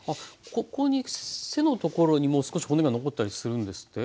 ここに背のところにも少し骨が残ったりするんですって？